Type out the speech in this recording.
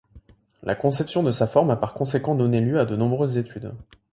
La conception de sa forme a par conséquent donné lieu à de nombreuses études.